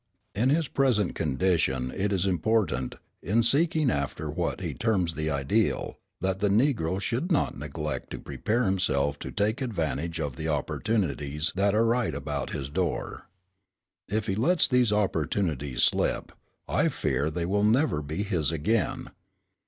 In his present condition it is important, in seeking after what he terms the ideal, that the Negro should not neglect to prepare himself to take advantage of the opportunities that are right about his door. If he lets these opportunities slip, I fear they will never be his again.